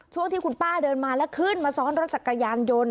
ช่วงที่คุณป้าเดินมาแล้วขึ้นมาซ้อนรถจักรยานยนต์